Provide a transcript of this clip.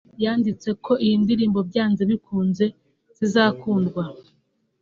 yanditse ko iyi ndirimbo byanze bikunze izakundwa